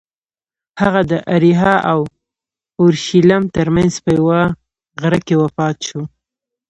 هغه د اریحا او اورشلیم ترمنځ په یوه غره کې وفات شو.